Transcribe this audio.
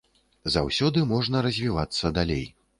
Заўсёды можна развівацца далей.